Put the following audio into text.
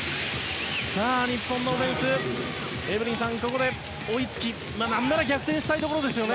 日本のオフェンスエブリンさん、ここで追いつき何なら逆転したいですね。